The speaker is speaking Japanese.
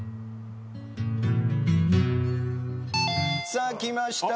さあきました。